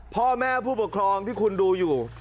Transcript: พ่อแม่ผู้ปกครองที่คุณดูอยู่